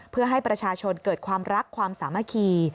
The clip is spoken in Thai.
เพื่อให้ประชาชนเกิดความรักความสามัคคี